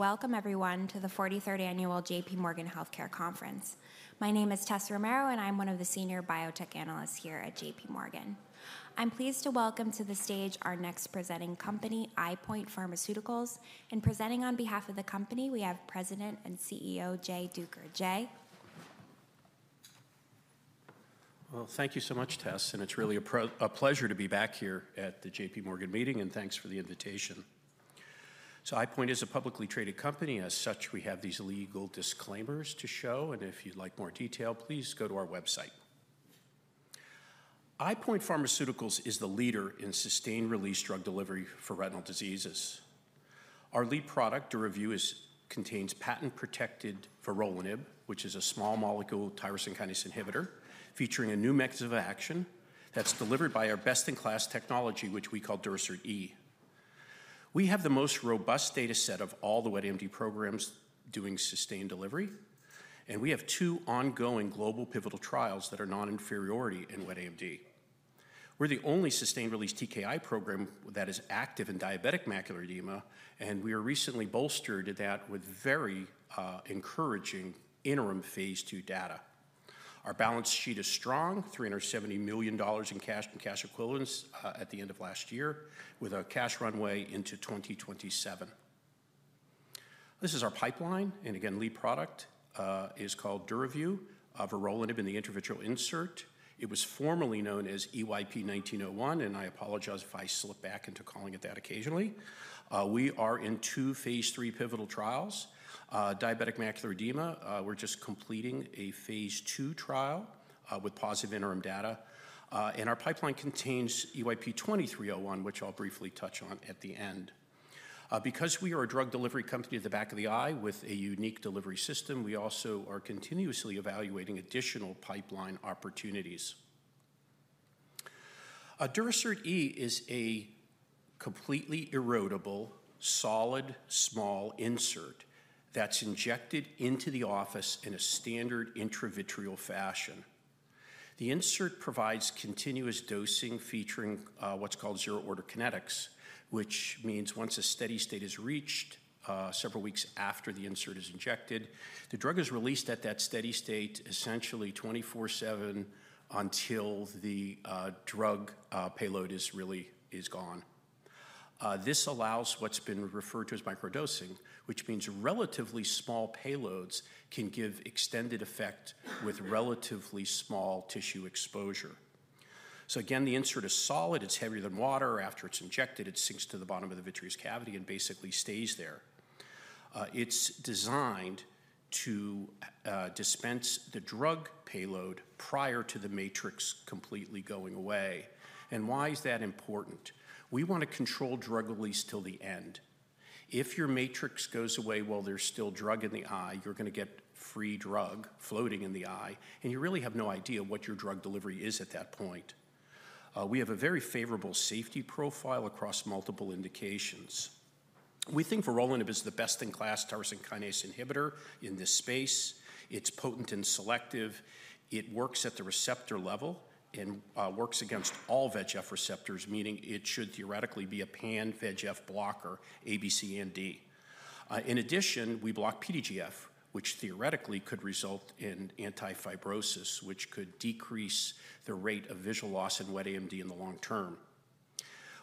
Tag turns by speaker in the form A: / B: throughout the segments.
A: Welcome, everyone, to the 43rd Annual JPMorgan Healthcare Conference. My name is Tessa Romero, and I'm one of the Senior Biotech Analysts here at JPMorgan. I'm pleased to welcome to the stage our next presenting company, EyePoint Pharmaceuticals, and presenting on behalf of the company, we have President and CEO Jay Duker. Jay?
B: Thank you so much, Tess, and it's really a pleasure to be back here at the JPMorgan meeting, and thanks for the invitation. EyePoint is a publicly traded company. As such, we have these legal disclaimers to show, and if you'd like more detail, please go to our website. EyePoint Pharmaceuticals is the leader in sustained-release drug delivery for retinal diseases. Our lead product, Duravyu, contains patent-protected vorolanib, which is a small-molecule tyrosine kinase inhibitor featuring a new mechanism of action that's delivered by our best-in-class technology, which we call Durasert E. We have the most robust data set of all the wet AMD programs doing sustained delivery, and we have two ongoing global pivotal trials that are non-inferiority in wet AMD. We're the only sustained-release TKI program that is active in diabetic macular edema, and we were recently bolstered to that with very encouraging interim Phase 2 data. Our balance sheet is strong: $370 million in cash and cash equivalents at the end of last year, with a cash runway into 2027. This is our pipeline, and again, lead product is called Duravyu of vorolanib in the intravitreal insert. It was formerly known as EYP-1901, and I apologize if I slip back into calling it that occasionally. We are in two phase three pivotal trials. Diabetic macular edema, we're just completing a phase two trial with positive interim data, and our pipeline contains EYP-2301, which I'll briefly touch on at the end. Because we are a drug delivery company at the back of the eye with a unique delivery system, we also are continuously evaluating additional pipeline opportunities. Durasert E is a completely erodible, solid, small insert that's injected in the office in a standard intravitreal fashion. The insert provides continuous dosing featuring what's called zero-order kinetics, which means once a steady state is reached several weeks after the insert is injected, the drug is released at that steady state essentially 24/7 until the drug payload is really gone. This allows what's been referred to as microdosing, which means relatively small payloads can give extended effect with relatively small tissue exposure. So again, the insert is solid. It's heavier than water. After it's injected, it sinks to the bottom of the vitreous cavity and basically stays there. It's designed to dispense the drug payload prior to the matrix completely going away. And why is that important? We want to control drug release till the end. If your matrix goes away while there's still drug in the eye, you're going to get free drug floating in the eye, and you really have no idea what your drug delivery is at that point. We have a very favorable safety profile across multiple indications. We think vorolanib is the best-in-class tyrosine kinase inhibitor in this space. It's potent and selective. It works at the receptor level and works against all VEGF receptors, meaning it should theoretically be a pan-VEGF blocker, A, B, C, and D. In addition, we block PDGF, which theoretically could result in anti-fibrosis, which could decrease the rate of visual loss in wet AMD in the long term.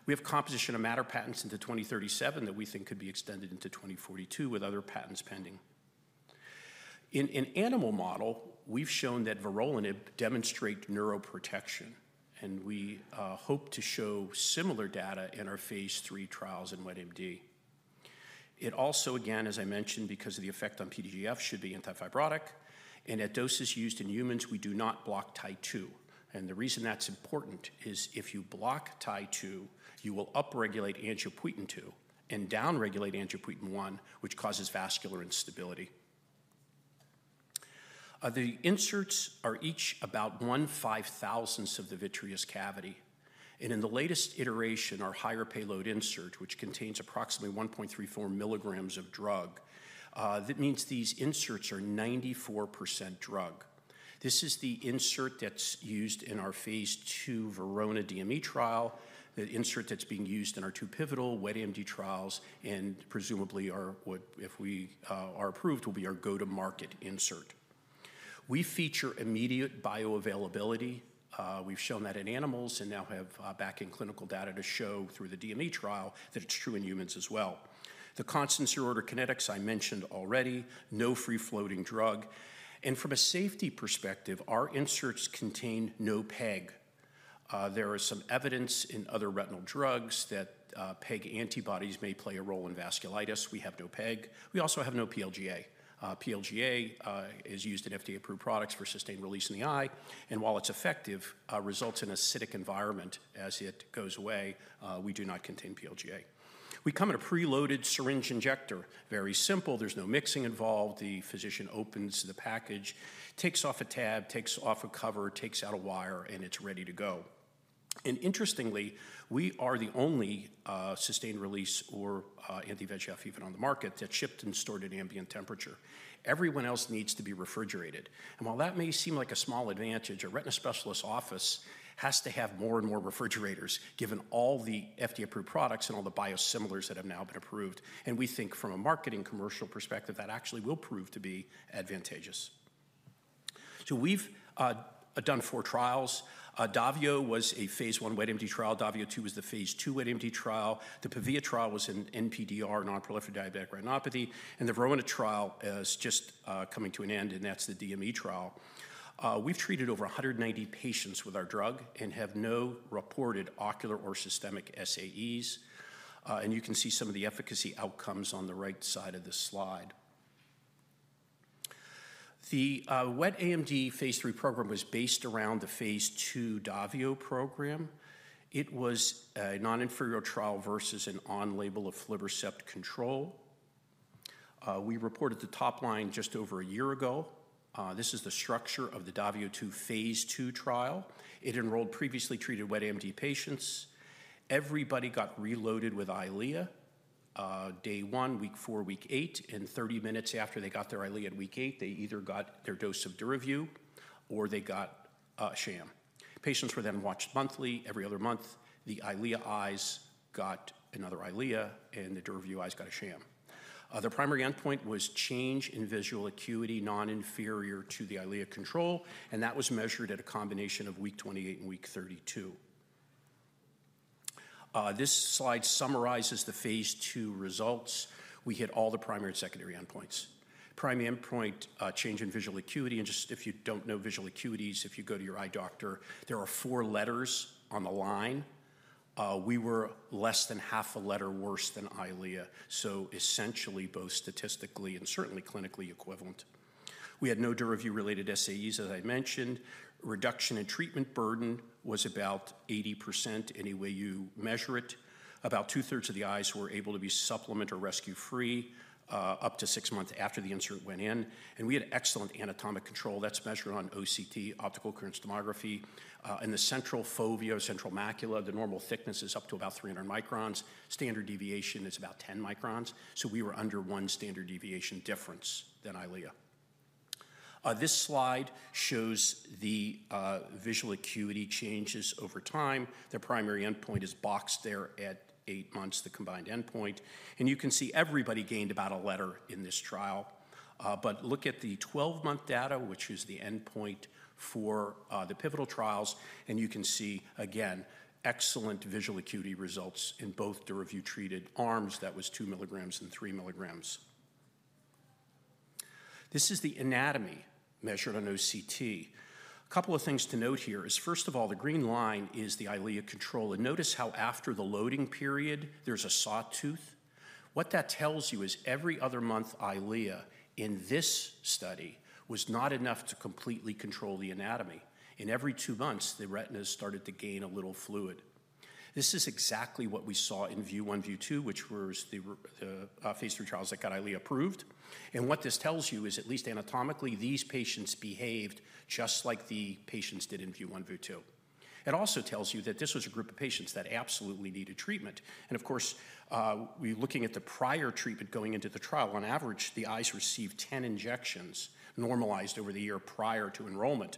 B: We have composition of matter patents into 2037 that we think could be extended into 2042 with other patents pending. In an animal model, we've shown that vorolanib demonstrates neuroprotection, and we hope to show similar data in our Phase 3 trials in wet AMD. It also, again, as I mentioned, because of the effect on PDGF, should be anti-fibrotic, and at doses used in humans, we do not block TIE2. And the reason that's important is if you block TIE2, you will upregulate angiopoietin 2 and downregulate angiopoietin 1, which causes vascular instability. The inserts are each about one five-thousandth of the vitreous cavity, and in the latest iteration, our higher payload insert, which contains approximately 1.34 milligrams of drug, that means these inserts are 94% drug. This is the insert that's used in our phase two Verona DME trial, the insert that's being used in our two pivotal wet AMD trials, and presumably our, if we are approved, will be our go-to-market insert. We feature immediate bioavailability. We've shown that in animals and now have backing clinical data to show through the DME trial that it's true in humans as well. The constant zero-order kinetics I mentioned already, no free-floating drug. And from a safety perspective, our inserts contain no PEG. There is some evidence in other retinal drugs that PEG antibodies may play a role in vasculitis. We have no PEG. We also have no PLGA. PLGA is used in FDA-approved products for sustained release in the eye, and while it's effective, results in acidic environment as it goes away, we do not contain PLGA. We come in a preloaded syringe injector. Very simple. There's no mixing involved. The physician opens the package, takes off a tab, takes off a cover, takes out a wire, and it's ready to go. Interestingly, we are the only sustained-release anti-VEGF even on the market that's shipped and stored at ambient temperature. Everyone else needs to be refrigerated. While that may seem like a small advantage, a retina specialist's office has to have more and more refrigerators given all the FDA-approved products and all the biosimilars that have now been approved. We think from a marketing commercial perspective that actually will prove to be advantageous, so we've done four trials. Davio was a phase one wet AMD trial. Davio II was the phase two wet AMD trial. The Pavia trial was an NPDR, non-proliferative diabetic retinopathy, and the Verona trial is just coming to an end, and that's the DME trial. We've treated over 190 patients with our drug and have no reported ocular or systemic SAEs, and you can see some of the efficacy outcomes on the right side of this slide. The wet AMD phase three program was based around the phase two Davio program. It was a non-inferiority trial versus an on-label aflibercept control. We reported the top line just over a year ago. This is the structure of the Davio II phase two trial. It enrolled previously treated wet AMD patients. Everybody got reloaded with Eylea day one, week four, week eight, and 30 minutes after they got their Eylea in week eight, they either got their dose of Duravyu or they got a sham. Patients were then watched monthly, every other month. The Eylea eyes got another Eylea, and the Duravyu eyes got a sham. The primary endpoint was change in visual acuity non-inferior to the Eylea control, and that was measured at a combination of week 28 and week 32. This slide summarizes the phase two results. We hit all the primary and secondary endpoints. Primary endpoint change in visual acuity, and just if you don't know visual acuities, if you go to your eye doctor, there are four letters on the line. We were less than half a letter worse than Eylea, so essentially both statistically and certainly clinically equivalent. We had no Duravyu-related SAEs, as I mentioned. Reduction in treatment burden was about 80% any way you measure it. About two-thirds of the eyes were able to be supplement or rescue-free up to six months after the insert went in, and we had excellent anatomic control. That's measured on OCT, optical coherence tomography. In the central fovea, central macula, the normal thickness is up to about 300 microns. Standard deviation is about 10 microns, so we were under one standard deviation difference than Eylea. This slide shows the visual acuity changes over time. The primary endpoint is boxed there at eight months, the combined endpoint, and you can see everybody gained about a letter in this trial. But look at the 12-month data, which was the endpoint for the pivotal trials, and you can see again excellent visual acuity results in both Duravyu-treated arms that was two milligrams and three milligrams. This is the anatomy measured on OCT. A couple of things to note here is, first of all, the green line is the Eylea control, and notice how after the loading period, there's a sawtooth. What that tells you is every other month, Eylea in this study was not enough to completely control the anatomy. In every two months, the retinas started to gain a little fluid. This is exactly what we saw in VIEW 1, VIEW 2, which were the Phase 3 trials that got Eylea approved. And what this tells you is at least anatomically, these patients behaved just like the patients did in VIEW 1, VIEW 2. It also tells you that this was a group of patients that absolutely needed treatment. And of course, we're looking at the prior treatment going into the trial. On average, the eyes received 10 injections normalized over the year prior to enrollment.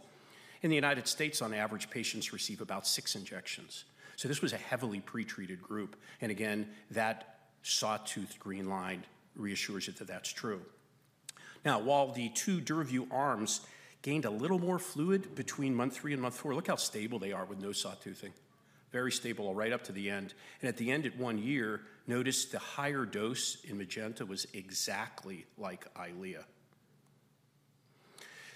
B: In the United States, on average, patients receive about six injections. So this was a heavily pretreated group, and again, that sawtooth green line reassures you that that's true. Now, while the two Duravyu arms gained a little more fluid between month three and month four, look how stable they are with no sawtoothing. Very stable right up to the end. At the end, at one year, notice the higher dose in magenta was exactly like Eylea.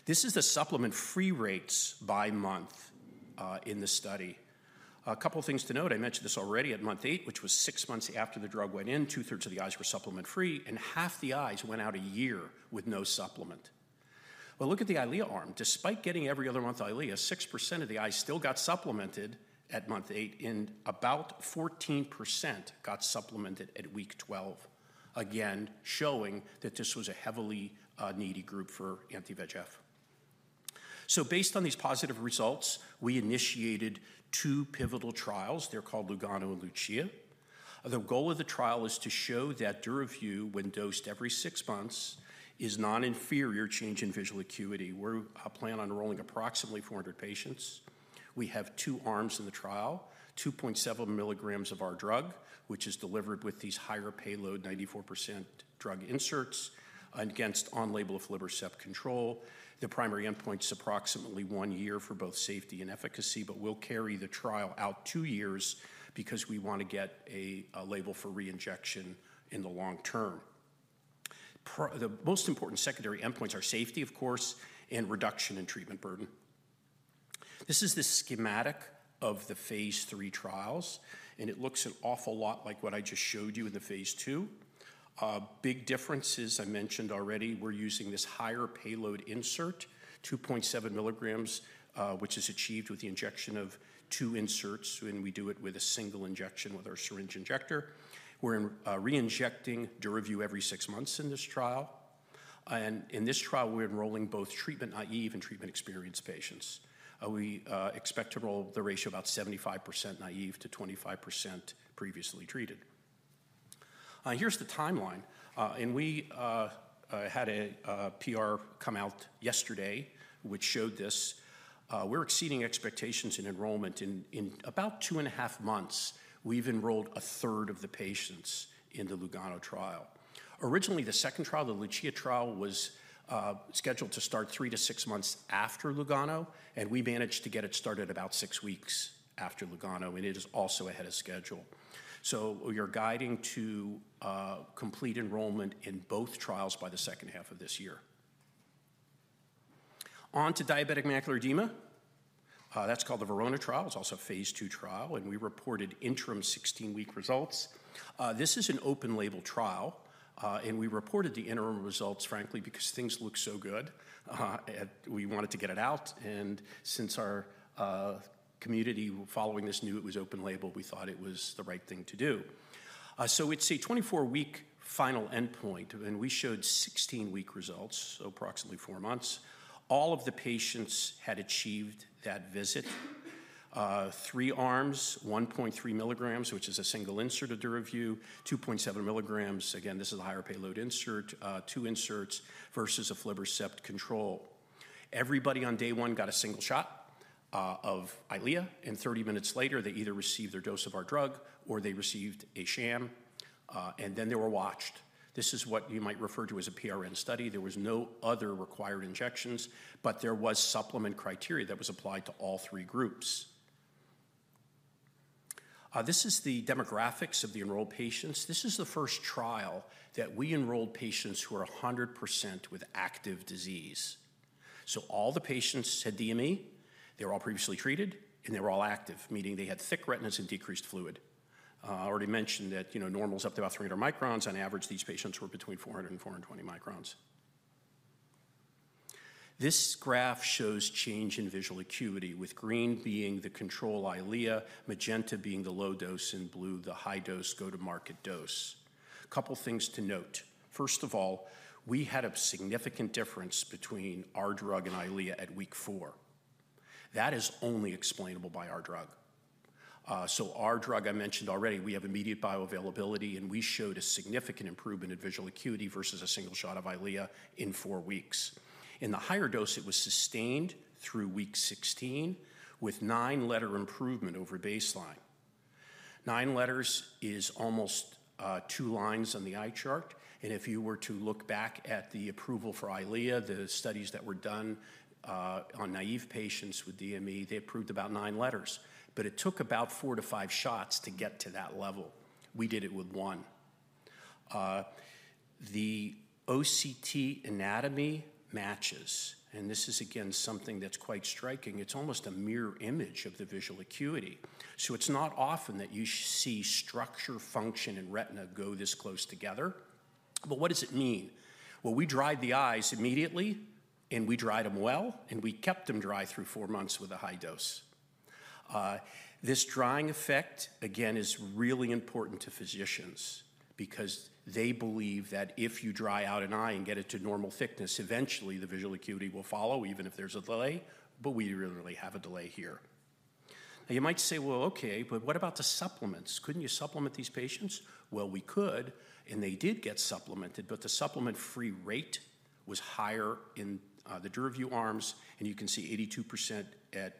B: This is the supplement-free rates by month in the study. A couple of things to note. I mentioned this already at month eight, which was six months after the drug went in, two-thirds of the eyes were supplement-free, and half the eyes went out a year with no supplement. Look at the Eylea arm. Despite getting every other month Eylea, 6% of the eyes still got supplemented at month eight, and about 14% got supplemented at week 12, again showing that this was a heavily needy group for anti-VEGF. Based on these positive results, we initiated two pivotal trials. They're called Lugano and Lucia. The goal of the trial is to show that Duravyu, when dosed every six months, is non-inferior change in visual acuity. We're planning on enrolling approximately 400 patients. We have two arms in the trial, 2.7 milligrams of our drug, which is delivered with these higher payload 94% drug inserts against on-label aflibercept control. The primary endpoint is approximately one year for both safety and efficacy, but we'll carry the trial out two years because we want to get a label for reinjection in the long term. The most important secondary endpoints are safety, of course, and reduction in treatment burden. This is the schematic of the Phase 3 trials, and it looks an awful lot like what I just showed you in the Phase 2. Big differences, I mentioned already. We're using this higher payload insert, 2.7 milligrams, which is achieved with the injection of two inserts, and we do it with a single injection with our syringe injector. We're reinjecting Duravyu every six months in this trial, and in this trial, we're enrolling both treatment naive and treatment experienced patients. We expect to enroll the ratio about 75% naive to 25% previously treated. Here's the timeline, and we had a PR come out yesterday which showed this. We're exceeding expectations in enrollment. In about two and a half months, we've enrolled a third of the patients in the Lugano trial. Originally, the second trial, the Lucia trial, was scheduled to start three to six months after Lugano, and we managed to get it started about six weeks after Lugano, and it is also ahead of schedule. So we are guiding to complete enrollment in both trials by the second half of this year. On to diabetic macular edema. That's called the Verona trial. It's also a phase II trial, and we reported interim 16-week results. This is an open-label trial, and we reported the interim results, frankly, because things look so good. We wanted to get it out, and since our community following this knew it was open-label, we thought it was the right thing to do. So it's a 24-week final endpoint, and we showed 16-week results, so approximately four months. All of the patients had achieved that visit. Three arms, 1.3 milligrams, which is a single insert of Duravyu, 2.7 milligrams. Again, this is a higher payload insert, two inserts versus an aflibercept control. Everybody on day one got a single shot of Eylea, and 30 minutes later, they either received their dose of our drug or they received a sham, and then they were watched. This is what you might refer to as a PRN study. There were no other required injections, but there was supplemental criteria that was applied to all three groups. This is the demographics of the enrolled patients. This is the first trial that we enrolled patients who are 100% with active disease. So all the patients had DME. They were all previously treated, and they were all active, meaning they had thick retinas and increased fluid. I already mentioned that normal is up to about 300 microns. On average, these patients were between 400 and 420 microns. This graph shows change in visual acuity, with green being the control Eylea, magenta being the low dose, and blue the high dose go-to-market dose. A couple of things to note. First of all, we had a significant difference between our drug and Eylea at week four. That is only explainable by our drug. So our drug, I mentioned already, we have immediate bioavailability, and we showed a significant improvement in visual acuity versus a single shot of Eylea in four weeks. In the higher dose, it was sustained through week 16 with nine-letter improvement over baseline. Nine letters is almost two lines on the eye chart, and if you were to look back at the approval for Eylea, the studies that were done on naive patients with DME, they approved about nine letters, but it took about four to five shots to get to that level. We did it with one. The OCT anatomy matches, and this is again something that's quite striking. It's almost a mirror image of the visual acuity. So it's not often that you see structure, function, and retina go this close together. But what does it mean? Well, we dried the eyes immediately, and we dried them well, and we kept them dry through four months with a high dose. This drying effect, again, is really important to physicians because they believe that if you dry out an eye and get it to normal thickness, eventually the visual acuity will follow, even if there's a delay, but we really have a delay here. Now, you might say, "Well, okay, but what about the supplements? Couldn't you supplement these patients?" Well, we could, and they did get supplemented, but the supplement-free rate was higher in the Duravyu arms, and you can see 82% at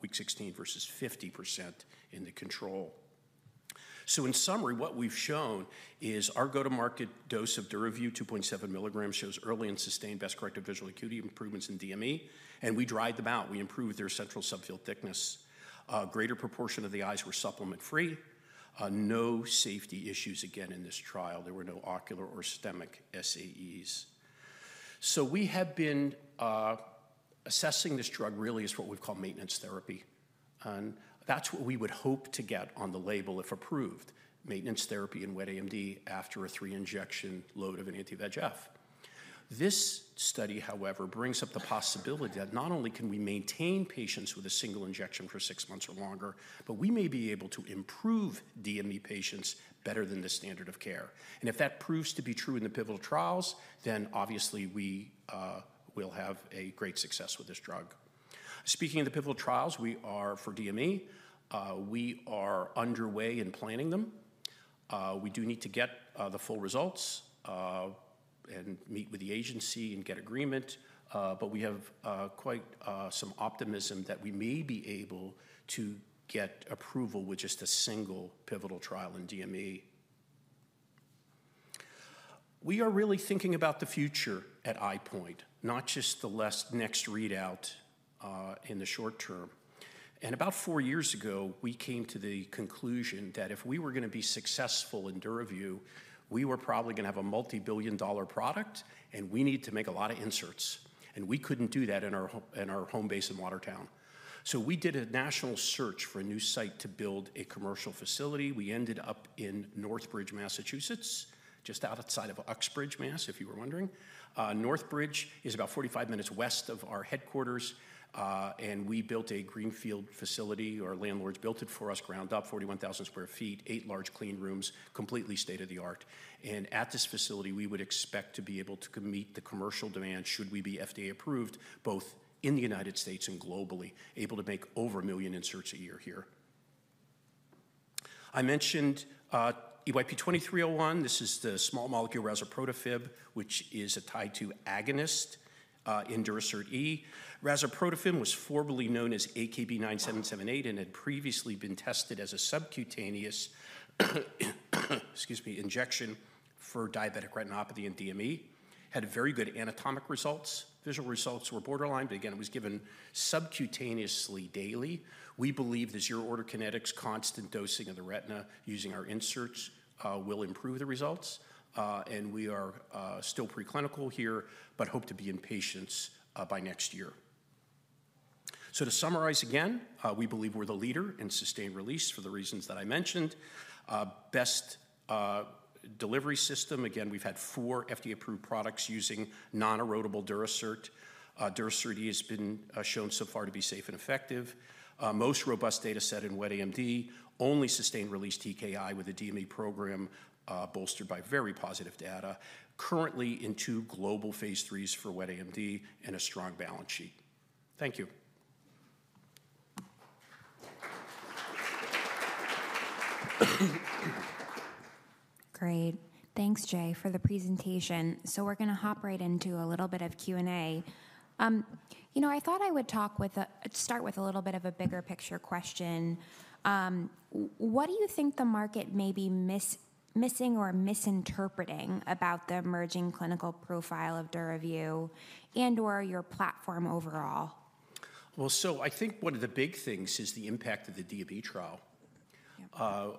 B: week 16 versus 50% in the control. So in summary, what we've shown is our go-to-market dose of Duravyu 2.7 milligrams shows early and sustained best-corrected visual acuity improvements in DME, and we dried them out. We improved their central subfield thickness. A greater proportion of the eyes were supplement-free. No safety issues again in this trial. There were no ocular or systemic SAEs. So we have been assessing this drug really as what we call maintenance therapy, and that's what we would hope to get on the label if approved: maintenance therapy in wet AMD after a three-injection load of an anti-VEGF. This study, however, brings up the possibility that not only can we maintain patients with a single injection for six months or longer, but we may be able to improve DME patients better than the standard of care, and if that proves to be true in the pivotal trials, then obviously we will have a great success with this drug. Speaking of the pivotal trials, we are for DME. We are underway in planning them. We do need to get the full results and meet with the agency and get agreement, but we have quite some optimism that we may be able to get approval with just a single pivotal trial in DME. We are really thinking about the future at EyePoint, not just the next readout in the short term. About four years ago, we came to the conclusion that if we were going to be successful in Duravyu, we were probably going to have a multi-billion-dollar product, and we need to make a lot of inserts, and we couldn't do that in our home base in Watertown. We did a national search for a new site to build a commercial facility. We ended up in Northbridge, Massachusetts, just outside of Uxbridge, Mass, if you were wondering. Northbridge is about 45 minutes west of our headquarters, and we built a greenfield facility. Our landlords built it for us, ground up, 41,000 sq ft, eight large clean rooms, completely state-of-the-art. At this facility, we would expect to be able to meet the commercial demand, should we be FDA approved, both in the United States and globally, able to make over a million inserts a year here. I mentioned EYP-2301. This is the small molecule razuprotafib, which is a TIE2 agonist in Durasert E. Razuprotafib was formerly known as AKB-9778 and had previously been tested as a subcutaneous injection for diabetic retinopathy and DME. Had very good anatomic results. Visual results were borderline, but again, it was given subcutaneously daily. We believe the zero-order kinetics constant dosing of the retina using our inserts will improve the results, and we are still preclinical here, but hope to be in patients by next year. So to summarize again, we believe we're the leader in sustained release for the reasons that I mentioned. Best delivery system. Again, we've had four FDA-approved products using non-erodible Durasert. Durasert E has been shown so far to be safe and effective. Most robust data set in wet AMD. Only sustained-release TKI with a DME program bolstered by very positive data. Currently in two global Phase 3s for wet AMD and a strong balance sheet. Thank you.
A: Great. Thanks, Jay, for the presentation. So we're going to hop right into a little bit of Q&A. You know, I thought I would start with a little bit of a bigger picture question. What do you think the market may be missing or misinterpreting about the emerging clinical profile of Duravyu and/or your platform overall?
B: I think one of the big things is the impact of the DME trial.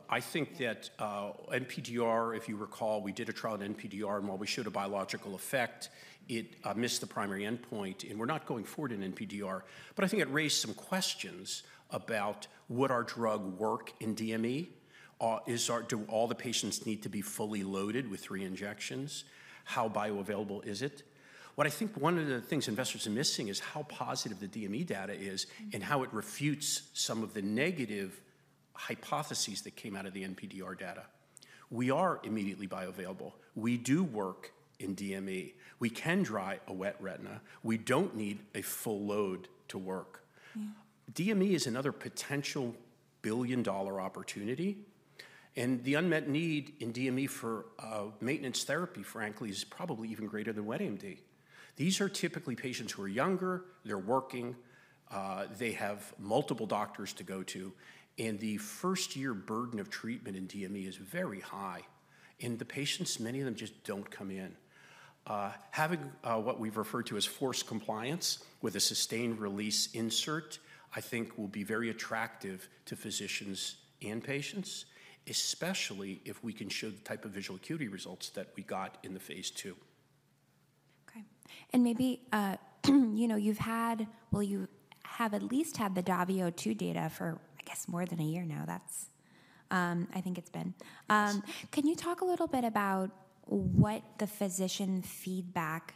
B: I think that NPDR, if you recall, we did a trial in NPDR, and while we showed a biological effect, it missed the primary endpoint, and we're not going forward in NPDR. But I think it raised some questions about would our drug work in DME. Do all the patients need to be fully loaded with three injections? How bioavailable is it? What I think one of the things investors are missing is how positive the DME data is and how it refutes some of the negative hypotheses that came out of the NPDR data. We are immediately bioavailable. We do work in DME. We can dry a wet retina. We don't need a full load to work. DME is another potential billion-dollar opportunity, and the unmet need in DME for maintenance therapy, frankly, is probably even greater than wet AMD. These are typically patients who are younger. They're working. They have multiple doctors to go to, and the first-year burden of treatment in DME is very high, and the patients, many of them, just don't come in. Having what we've referred to as forced compliance with a sustained-release insert, I think, will be very attractive to physicians and patients, especially if we can show the type of visual acuity results that we got in the Phase 2.
A: Okay. And maybe you've had, well, you have at least had the Davio II data for, I guess, more than a year now. That's I think it's been. Can you talk a little bit about what the physician feedback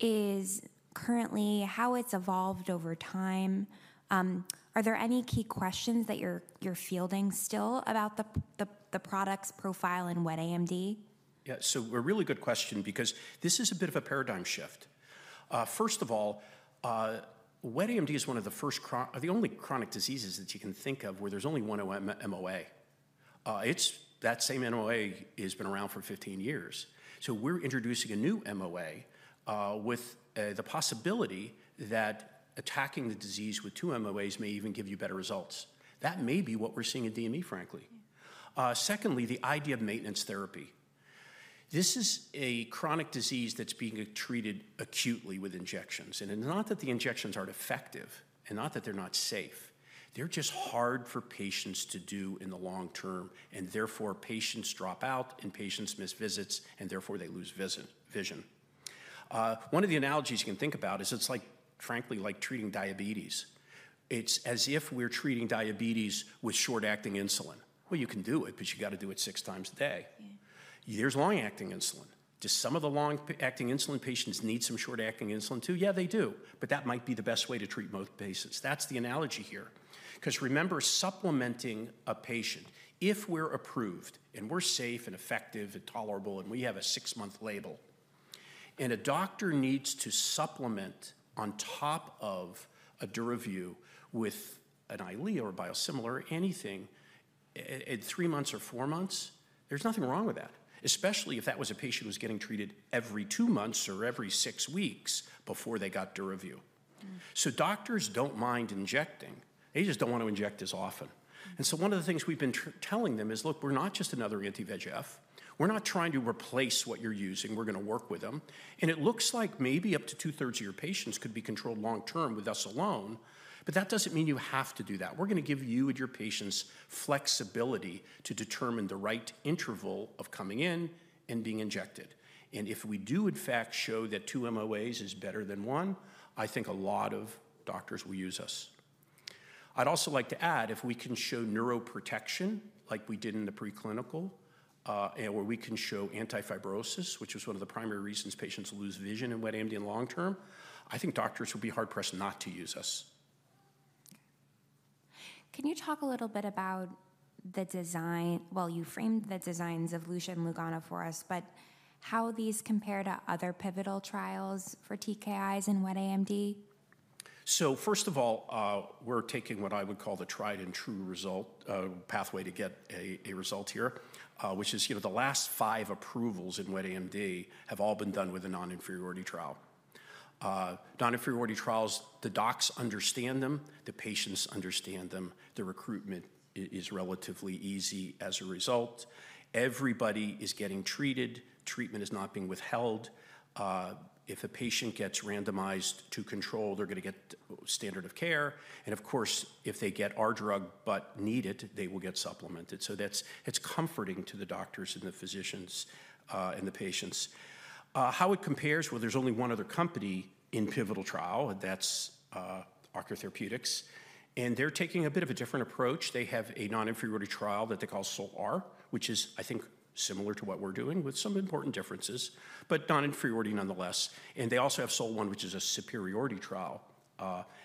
A: is currently, how it's evolved over time? Are there any key questions that you're fielding still about the product's profile in wet AMD?
B: Yeah. So a really good question because this is a bit of a paradigm shift. First of all, Wet AMD is one of the first, the only chronic diseases that you can think of where there's only one MOA. That same MOA has been around for 15 years. So we're introducing a new MOA with the possibility that attacking the disease with two MOAs may even give you better results. That may be what we're seeing in DME, frankly. Secondly, the idea of maintenance therapy. This is a chronic disease that's being treated acutely with injections, and it's not that the injections aren't effective and not that they're not safe. They're just hard for patients to do in the long term, and therefore patients drop out and patients miss visits, and therefore they lose vision. One of the analogies you can think about is it's like, frankly, like treating diabetes. It's as if we're treating diabetes with short-acting insulin. You can do it, but you got to do it six times a day. There's long-acting insulin. Do some of the long-acting insulin patients need some short-acting insulin too? Yeah, they do, but that might be the best way to treat most patients. That's the analogy here. Because remember, supplementing a patient, if we're approved and we're safe and effective and tolerable and we have a six-month label, and a doctor needs to supplement on top of a Duravyu with an Eylea or a biosimilar, anything, at three months or four months, there's nothing wrong with that, especially if that was a patient who was getting treated every two months or every six weeks before they got Duravyu. So doctors don't mind injecting. They just don't want to inject as often. And so one of the things we've been telling them is, "Look, we're not just another anti-VEGF. We're not trying to replace what you're using. We're going to work with them." And it looks like maybe up to two-thirds of your patients could be controlled long-term with us alone, but that doesn't mean you have to do that. We're going to give you and your patients flexibility to determine the right interval of coming in and being injected. And if we do, in fact, show that two MOAs is better than one, I think a lot of doctors will use us. I'd also like to add, if we can show neuroprotection like we did in the preclinical, where we can show anti-fibrosis, which was one of the primary reasons patients lose vision in wet AMD in long-term, I think doctors will be hard-pressed not to use us.
A: Can you talk a little bit about the design, well, you framed the designs of Lucia and Lugano for us, but how these compare to other pivotal trials for TKIs in wet AMD?
B: So first of all, we're taking what I would call the tried-and-true result pathway to get a result here, which is the last five approvals in Wet AMD have all been done with a Non-Inferiority trial. Non-Inferiority trials, the docs understand them, the patients understand them, the recruitment is relatively easy as a result. Everybody is getting treated. Treatment is not being withheld. If a patient gets randomized to control, they're going to get standard of care. And of course, if they get our drug but need it, they will get supplemented. So it's comforting to the doctors and the physicians and the patients. How it compares, well, there's only one other company in pivotal trial, and that's Ocular Therapeutix, and they're taking a bit of a different approach. They have a non-inferiority trial that they call SOL-R, which is, I think, similar to what we're doing with some important differences, but non-inferiority nonetheless. And they also have SOL-1, which is a superiority trial.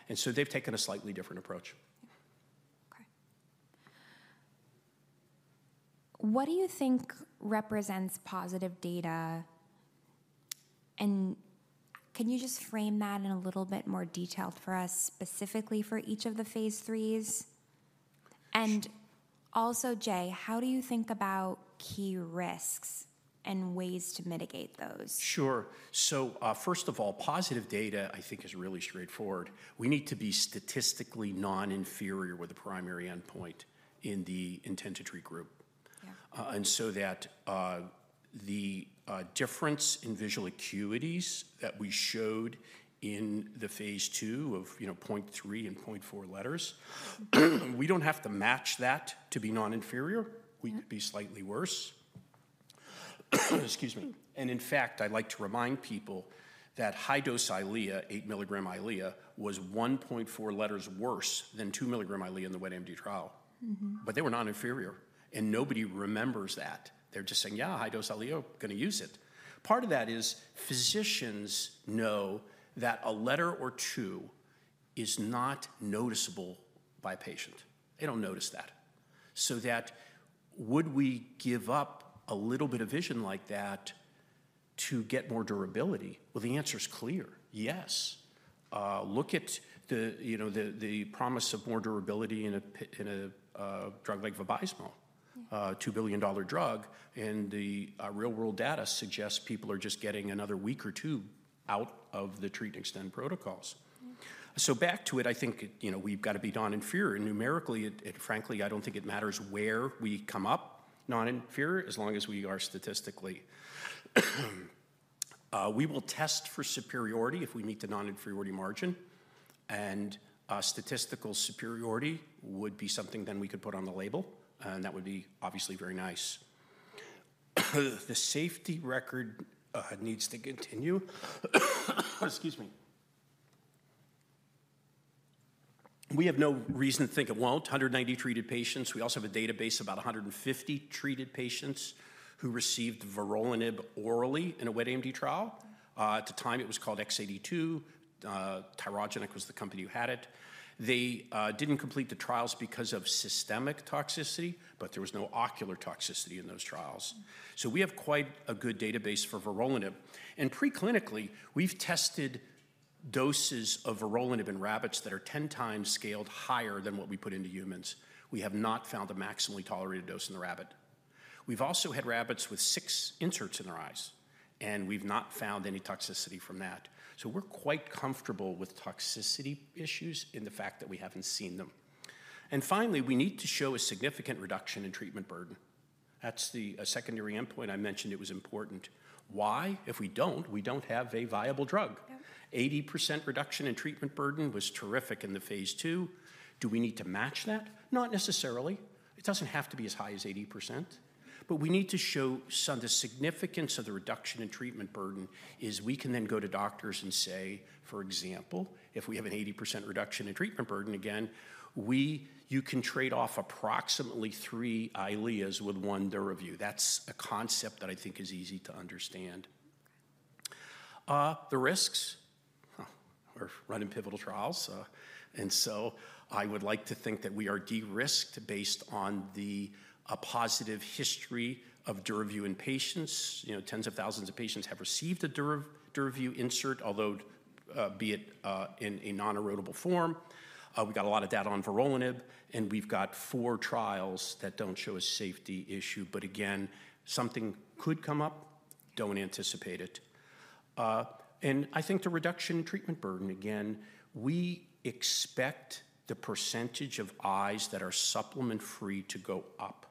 B: And so they've taken a slightly different approach.
A: Okay. What do you think represents positive data? And can you just frame that in a little bit more detail for us, specifically for each of the phase threes? And also, Jay, how do you think about key risks and ways to mitigate those?
B: Sure. So first of all, positive data, I think, is really straightforward. We need to be statistically non-inferior with the primary endpoint in the intent to treat group. And so that the difference in visual acuities that we showed in the phase two of 0.3 and 0.4 letters, we don't have to match that to be non-inferior. We could be slightly worse. Excuse me. And in fact, I like to remind people that high-dose Eylea, eight milligram Eylea, was 1.4 letters worse than two milligram Eylea in the wet AMD trial, but they were non-inferior, and nobody remembers that. They're just saying, "Yeah, high-dose Eylea, going to use it." Part of that is physicians know that a letter or two is not noticeable by a patient. They don't notice that. So that would we give up a little bit of vision like that to get more durability? The answer is clear. Yes. Look at the promise of more durability in a drug like Vabysmo, a $2 billion drug, and the real-world data suggests people are just getting another week or two out of the treat and extend protocols. Back to it, I think we've got to be non-inferior. Numerically, frankly, I don't think it matters where we come up non-inferior as long as we are statistically. We will test for superiority if we meet the non-inferiority margin, and statistical superiority would be something then we could put on the label, and that would be obviously very nice. The safety record needs to continue. Excuse me. We have no reason to think it won't. 190 treated patients. We also have a database of about 150 treated patients who received vorolanib orally in a wet AMD trial. At the time, it was called X-82. Tyrogenex was the company who had it. They didn't complete the trials because of systemic toxicity, but there was no ocular toxicity in those trials. So we have quite a good database for vorolanib. And preclinically, we've tested doses of vorolanib in rabbits that are 10 times scaled higher than what we put into humans. We have not found a maximally tolerated dose in the rabbit. We've also had rabbits with six inserts in their eyes, and we've not found any toxicity from that. So we're quite comfortable with toxicity issues in the fact that we haven't seen them. And finally, we need to show a significant reduction in treatment burden. That's the secondary endpoint I mentioned it was important. Why? If we don't, we don't have a viable drug. 80% reduction in treatment burden was terrific in the Phase 2. Do we need to match that? Not necessarily. It doesn't have to be as high as 80%, but we need to show the significance of the reduction in treatment burden is we can then go to doctors and say, for example, if we have an 80% reduction in treatment burden again, you can trade off approximately three Eylea with one Duravyu. That's a concept that I think is easy to understand. The risks are run in pivotal trials, and so I would like to think that we are de-risked based on the positive history of Duravyu in patients. Tens of thousands of patients have received a Duravyu insert, although be it in a non-erodible form. We've got a lot of data on vorolanib, and we've got four trials that don't show a safety issue, but again, something could come up. Don't anticipate it. I think the reduction in treatment burden. Again, we expect the percentage of eyes that are supplement-free to go up.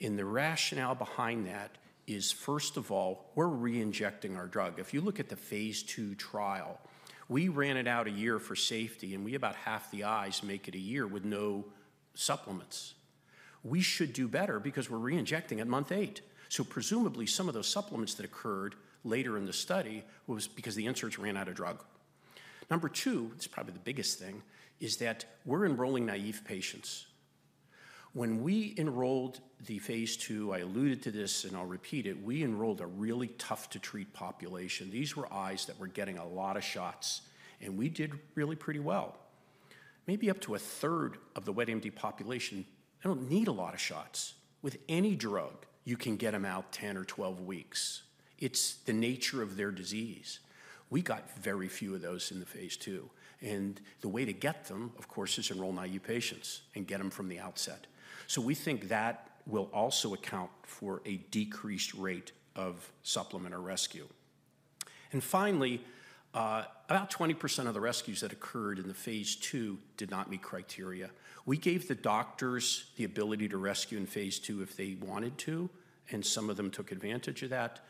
B: The rationale behind that is, first of all, we're reinjecting our drug. If you look at the phase two trial, we ran it out a year for safety, and about half the eyes make it a year with no supplements. We should do better because we're reinjecting at month eight. Presumably, some of those supplements that occurred later in the study was because the inserts ran out of drug. Number two, it's probably the biggest thing, is that we're enrolling naive patients. When we enrolled the phase two, I alluded to this and I'll repeat it, we enrolled a really tough-to-treat population. These were eyes that were getting a lot of shots, and we did really pretty well. Maybe up to a third of the wet AMD population don't need a lot of shots. With any drug, you can get them out 10 or 12 weeks. It's the nature of their disease. We got very few of those in the phase two, and the way to get them, of course, is enroll naive patients and get them from the outset. So we think that will also account for a decreased rate of supplement or rescue. And finally, about 20% of the rescues that occurred in the phase two did not meet criteria. We gave the doctors the ability to rescue in phase two if they wanted to, and some of them took advantage of that.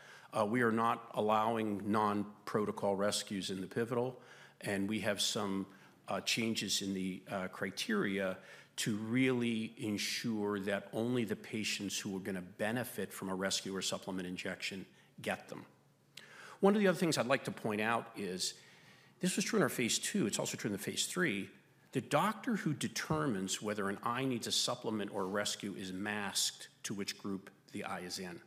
B: We are not allowing non-protocol rescues in the pivotal, and we have some changes in the criteria to really ensure that only the patients who are going to benefit from a rescue or supplement injection get them. One of the other things I'd like to point out is this was true in our phase two. It's also true in the phase three. The doctor who determines whether an eye needs a supplement or a rescue is masked to which group the eye is in,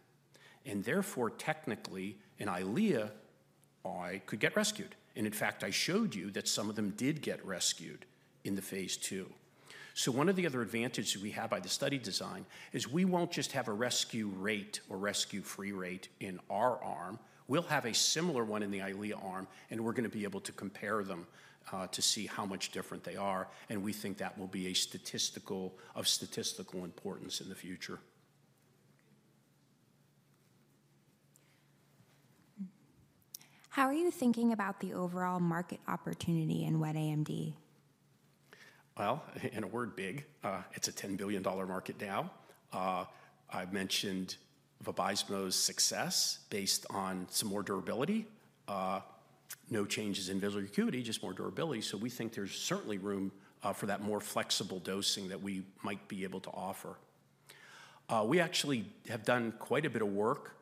B: and therefore, technically, an Eylea eye could get rescued, and in fact, I showed you that some of them did get rescued in the phase two, so one of the other advantages we have by the study design is we won't just have a rescue rate or rescue-free rate in our arm. We'll have a similar one in the Eylea arm, and we're going to be able to compare them to see how much different they are, and we think that will be of statistical importance in the future.
A: How are you thinking about the overall market opportunity in wet AMD?
B: In a word, big. It's a $10 billion market now. I've mentioned Vabysmo's success based on some more durability. No changes in visual acuity, just more durability. So we think there's certainly room for that more flexible dosing that we might be able to offer. We actually have done quite a bit of work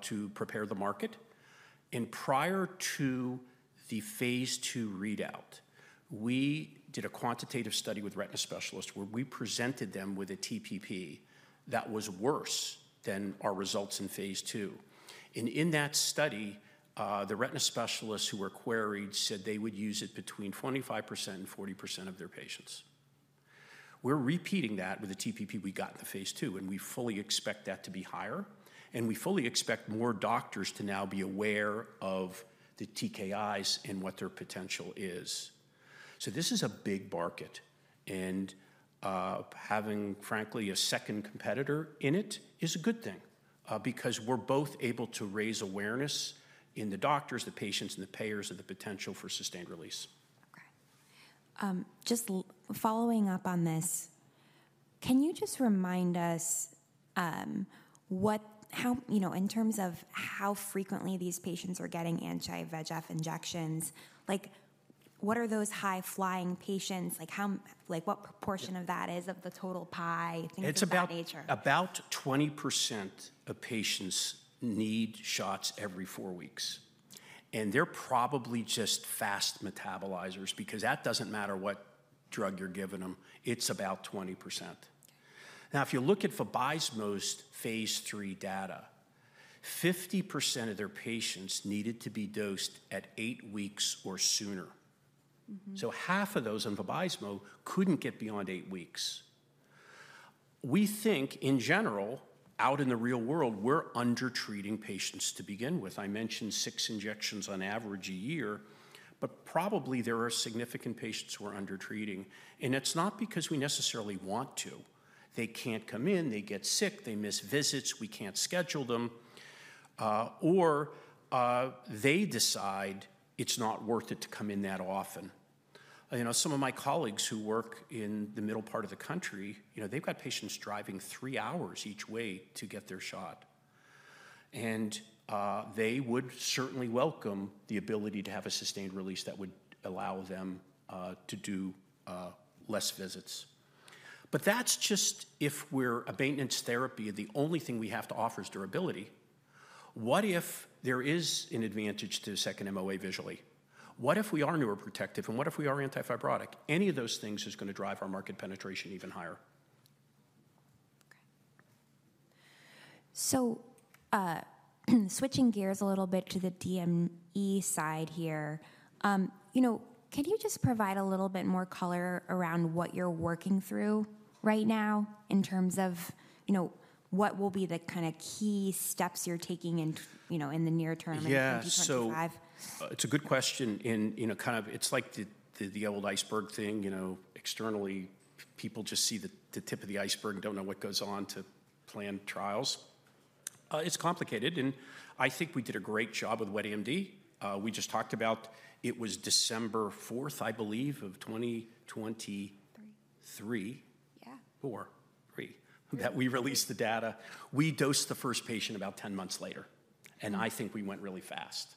B: to prepare the market. And prior to the phase two readout, we did a quantitative study with retina specialists where we presented them with a TPP that was worse than our results in phase two. And in that study, the retina specialists who were queried said they would use it between 25% and 40% of their patients. We're repeating that with the TPP we got in the phase two, and we fully expect that to be higher, and we fully expect more doctors to now be aware of the TKIs and what their potential is. So this is a big bargain, and having, frankly, a second competitor in it is a good thing because we're both able to raise awareness in the doctors, the patients, and the payers of the potential for sustained release.
A: Okay. Just following up on this, can you just remind us in terms of how frequently these patients are getting anti-VEGF injections? What are those high-flying patients? What proportion of that is of the total pie? Things of that nature.
B: It's about 20% of patients need shots every four weeks, and they're probably just fast metabolizers because that doesn't matter what drug you're giving them. It's about 20%. Now, if you look at Vabysmo Phase 3 data, 50% of their patients needed to be dosed at eight weeks or sooner. So half of those on Vabysmo couldn't get beyond eight weeks. We think, in general, out in the real world, we're undertreating patients to begin with. I mentioned six injections on average a year, but probably there are significant patients who are undertreating, and it's not because we necessarily want to. They can't come in, they get sick, they miss visits, we can't schedule them, or they decide it's not worth it to come in that often. Some of my colleagues who work in the middle part of the country, they've got patients driving three hours each way to get their shot, and they would certainly welcome the ability to have a sustained release that would allow them to do less visits. But that's just if we're a maintenance therapy and the only thing we have to offer is durability. What if there is an advantage to the second MOA visually? What if we are neuroprotective, and what if we are anti-fibrotic? Any of those things is going to drive our market penetration even higher.
A: Okay. Switching gears a little bit to the DME side here, can you just provide a little bit more color around what you're working through right now in terms of what will be the kind of key steps you're taking in the near term and potential drivers?
B: Yeah, so it's a good question. Kind of, it's like the old iceberg thing. Externally, people just see the tip of the iceberg and don't know what goes on to plan trials. It's complicated, and I think we did a great job with wet AMD. We just talked about it was December 4th, I believe, of 2023.
A: Three.
B: Three.
A: Yeah.
B: Four. Three. That we released the data. We dosed the first patient about 10 months later, and I think we went really fast.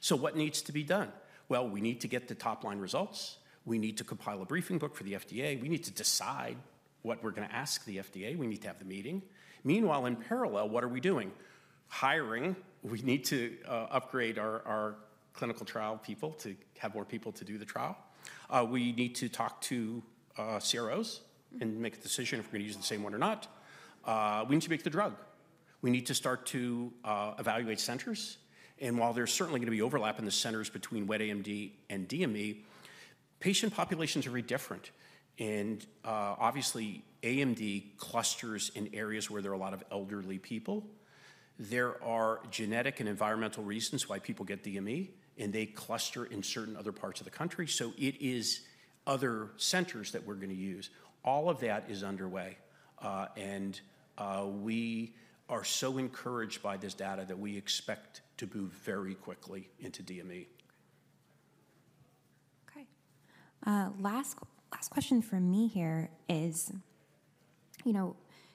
B: So what needs to be done? Well, we need to get the top-line results. We need to compile a briefing book for the FDA. We need to decide what we're going to ask the FDA. We need to have the meeting. Meanwhile, in parallel, what are we doing? Hiring. We need to upgrade our clinical trial people to have more people to do the trial. We need to talk to CROs and make a decision if we're going to use the same one or not. We need to make the drug. We need to start to evaluate centers, and while there's certainly going to be overlap in the centers between wet AMD and DME, patient populations are very different. And obviously, AMD clusters in areas where there are a lot of elderly people. There are genetic and environmental reasons why people get DME, and they cluster in certain other parts of the country. So it is other centers that we're going to use. All of that is underway, and we are so encouraged by this data that we expect to move very quickly into DME.
A: Okay. Last question for me here is,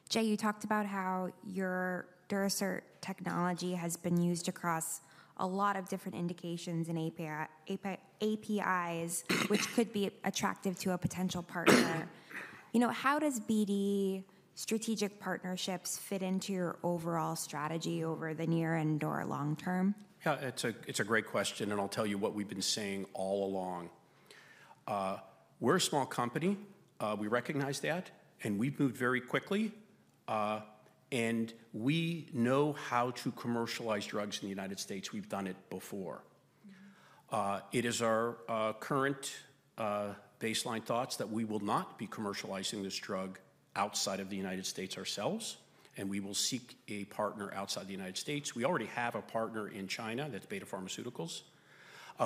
A: Jay, you talked about how your Durasert technology has been used across a lot of different indications in APIs, which could be attractive to a potential partner. How does BD strategic partnerships fit into your overall strategy over the near and/or long term?
B: Yeah, it's a great question, and I'll tell you what we've been saying all along. We're a small company. We recognize that, and we've moved very quickly, and we know how to commercialize drugs in the United States. We've done it before. It is our current baseline thoughts that we will not be commercializing this drug outside of the United States ourselves, and we will seek a partner outside the United States. We already have a partner in China that's Betta Pharmaceuticals.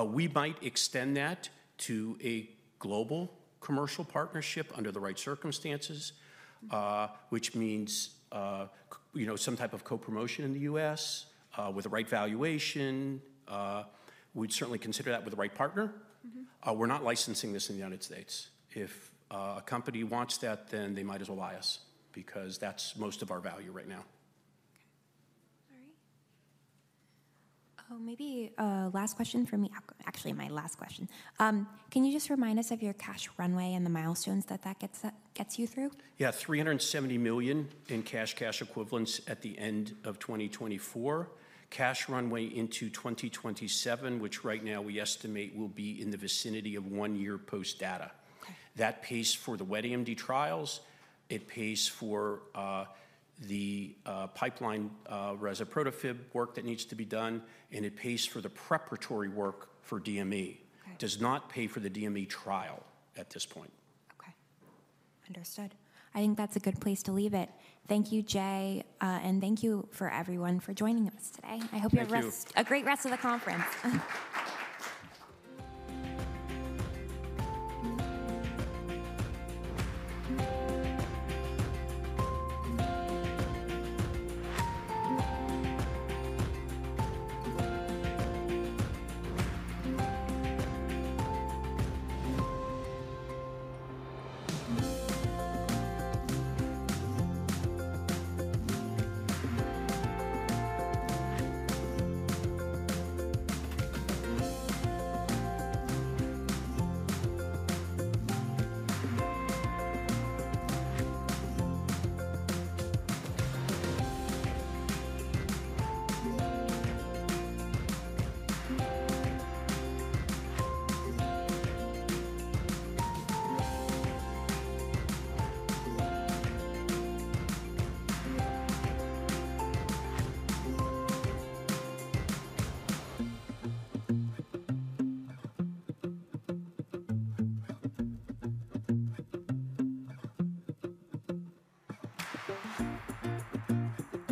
B: We might extend that to a global commercial partnership under the right circumstances, which means some type of co-promotion in the U.S. with the right valuation. We'd certainly consider that with the right partner. We're not licensing this in the United States. If a company wants that, then they might as well buy us because that's most of our value right now.
A: Okay. Sorry. Oh, maybe last question for me. Actually, my last question. Can you just remind us of your cash runway and the milestones that gets you through?
B: Yeah. $370 million in cash and cash equivalents at the end of 2024. Cash runway into 2027, which right now we estimate will be in the vicinity of one year post-data. That pays for the wet AMD trials. It pays for the pipeline whereas a prototype work that needs to be done, and it pays for the preparatory work for DME. Does not pay for the DME trial at this point.
A: Okay. Understood. I think that's a good place to leave it. Thank you, Jay, and thank you for everyone for joining us today. I hope you have a great rest of the conference.